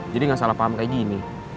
jadi gak salah paham kayak gini